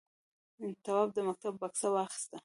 تواب د مکتب بکسه واخیسته.